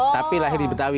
tapi lahir di betawi